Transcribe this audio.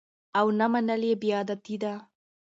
او نه منل يي بي اطاعتي ده